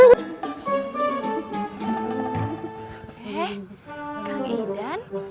eh kang idan